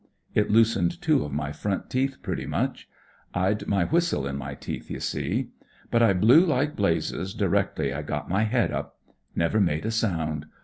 It loosened two of my front teeth pretty much, rd my whistle in my teeth, you see. But I blew like blazes directly I got my head up. Never made a sound.